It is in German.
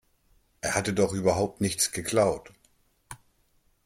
Er hatte doch überhaupt nichts geklaut.